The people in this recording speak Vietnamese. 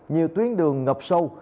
nhiều tuyến đường ngập sâu